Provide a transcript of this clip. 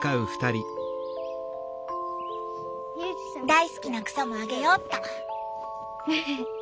大好きな草もあげようっと。